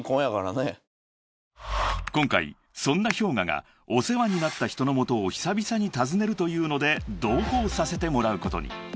［今回そんなＨｙＯｇＡがお世話になった人のもとを久々に訪ねるというので同行させてもらうことに］